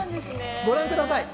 ご覧ください。